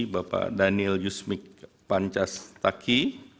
bapak daniel yusmik pancas taki